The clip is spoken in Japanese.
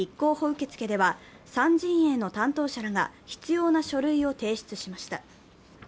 受け付けでは、３陣営の担当者らが必要な書類を提出しました。